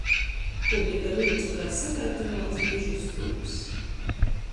Publika ryuce kai sakaitynuots bišu strūps.